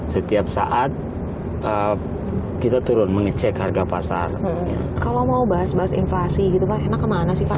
setiap saat kita turun mengecek harga pasar kalau mau bahas bahas inflasi gitu pak emang kemana sih pak